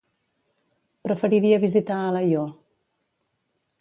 Preferiria visitar Alaior.